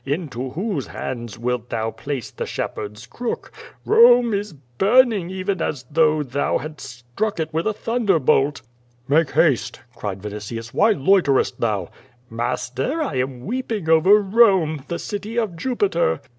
Into whose hands wilt thou place the shepherd's crook? Rome is burning even as though thou hadst struck it with a thun derbolt.'' "Make haste!" cried Vinitius, "why loiterest thou?" "Master, I am weeping over Rome, the city of Jupiter."